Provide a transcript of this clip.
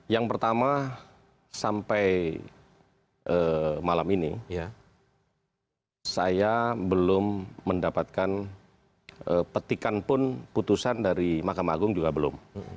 yang pertama sampai malam ini saya belum mendapatkan petikan pun putusan dari mahkamah agung juga belum